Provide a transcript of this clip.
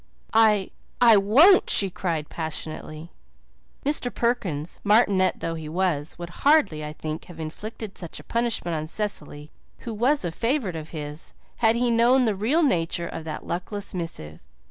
"I I won't!" she cried passionately. Mr. Perkins, martinet though he was, would hardly, I think, have inflicted such a punishment on Cecily, who was a favourite of his, had he known the real nature of that luckless missive.